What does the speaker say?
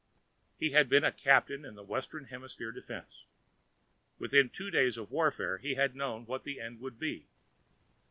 _ He had been a captain in the Western Hemisphere Defense. Within two days of warfare, he had known what the end would be.